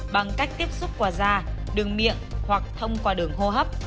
bằng cách tiếp xúc qua da đường miệng hoặc thông qua đường hô hấp